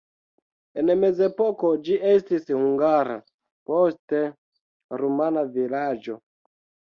En mezepoko ĝi estis hungara, poste rumana vilaĝo.